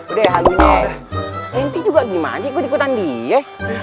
udah ya hal ini nanti juga gimana ikut ikutan dia